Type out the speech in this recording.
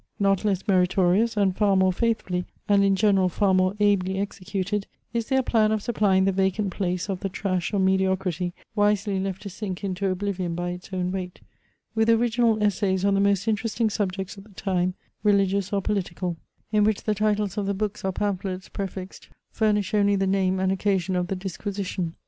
Not less meritorious, and far more faithfully and in general far more ably executed, is their plan of supplying the vacant place of the trash or mediocrity, wisely left to sink into oblivion by its own weight, with original essays on the most interesting subjects of the time, religious, or political; in which the titles of the books or pamphlets prefixed furnish only the name and occasion of the disquisition.